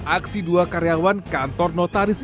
aksi dua karyawan kantor notaris